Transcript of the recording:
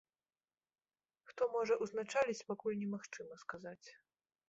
Хто можа ўзначаліць пакуль не магчыма сказаць.